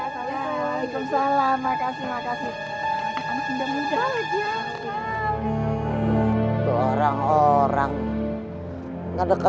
ngedeketin ma vaembe gitu ga classic bangetchange